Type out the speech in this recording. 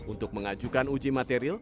untuk mengajukan uji material